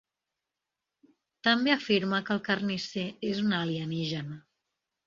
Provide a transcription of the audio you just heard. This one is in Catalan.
També afirma que el Carnisser és un alienígena.